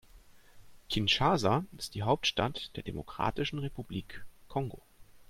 Kinshasa ist die Hauptstadt der Demokratischen Republik Kongo.